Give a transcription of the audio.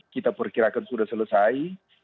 kita perkirakan sudah selesai